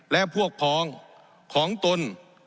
และพวกพ้องของตน